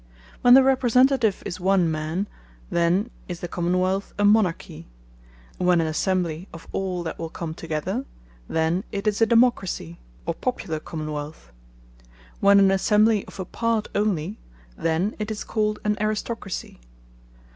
When the Representative is One man, then is the Common wealth a MONARCHY: when an Assembly of All that will come together, then it is a DEMOCRACY, or Popular Common wealth: when an Assembly of a Part onely, then it is called an ARISTOCRACY.